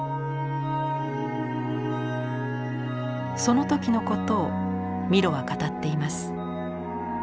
その時のことをミロは語っています。